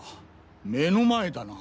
目の前だな。